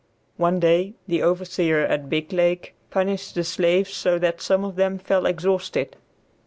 One day the overseer at Biglake punished the slaves so that some of them fell exhausted.